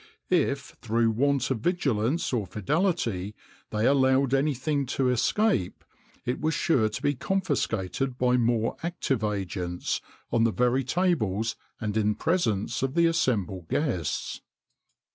If, through want of vigilance or fidelity, they allowed anything to escape, it was sure to be confiscated by more active agents, on the very tables, and in presence of the assembled guests.